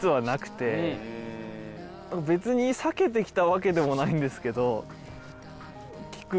別に避けてきたわけでもないんですけど。